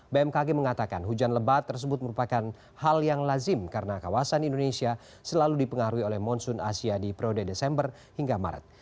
bmkg mengatakan hujan lebat tersebut merupakan hal yang lazim karena kawasan indonesia selalu dipengaruhi oleh monsoon asia di periode desember hingga maret